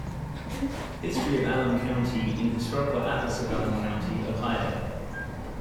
"History of Allen County in Historical Atlas of Allen County, Ohio".